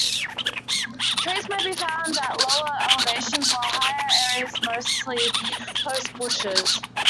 Trees may be found at lower elevations, while higher areas mostly host bushes.